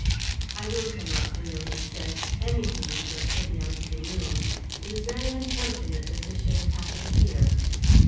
"I will come up," Leona said, anything to get Hetty out of the room. "It is very unfortunate that this should have happened here."